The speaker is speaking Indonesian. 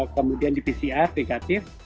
kemudian di pcr negatif